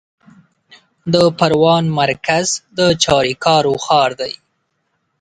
د پروان مرکز د چاریکارو ښار دی